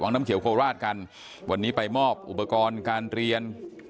น้ำเขียวโคราชกันวันนี้ไปมอบอุปกรณ์การเรียน